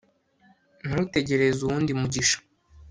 ntutegereze uwundi mugisha